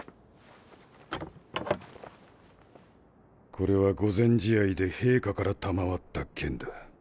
これは御前試合で陛下から賜った剣だ。